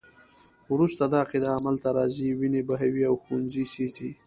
وروسته دا عقیده عمل ته راځي، وینې بهوي او ښوونځي سیزي.